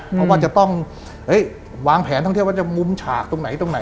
เพราะว่าจะต้องวางแผนท่องเที่ยวว่าจะมุมฉากตรงไหนตรงไหน